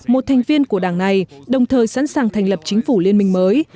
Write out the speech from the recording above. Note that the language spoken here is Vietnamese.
một thành viên của đảng này đồng thời sẵn sàng thành lập chính phủ liên minh mới